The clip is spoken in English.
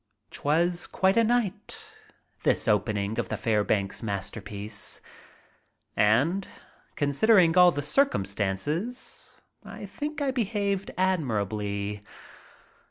'Twas quite a night, this opening of the Fairbanks mas terpiece, and, considering all the circumstances, I think I behaved admirably.